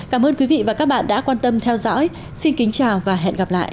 cảm ơn quý vị và các bạn đã quan tâm theo dõi xin kính chào và hẹn gặp lại